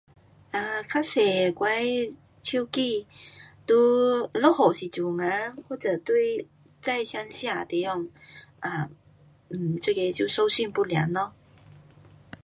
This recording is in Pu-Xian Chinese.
um 较多我的手机在下雨时阵或者对，在乡下的地方，um um 这个就收讯不良咯。